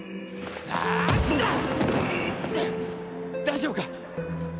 大丈夫か？